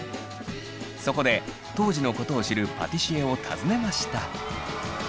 そこで当時のことを知るパティシエを訪ねました。